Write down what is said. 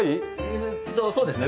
えっとそうですね。